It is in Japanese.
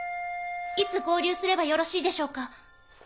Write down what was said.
いつ合流すればよろしいでしょうか？